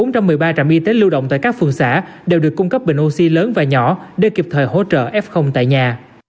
bốn trong một mươi ba trạm y tế lưu động tại các phường xã đều được cung cấp bình oxy lớn và nhỏ để kịp thời hỗ trợ f tại nhà